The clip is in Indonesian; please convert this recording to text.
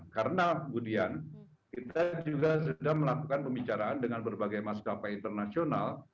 karena kemudian kita juga sudah melakukan pembicaraan dengan berbagai maskapai internasional